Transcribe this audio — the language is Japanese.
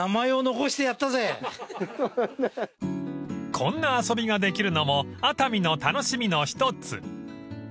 ［こんな遊びができるのも熱海の楽しみの一つ］